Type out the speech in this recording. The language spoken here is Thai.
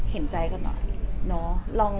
เห็นใจกันหน่อย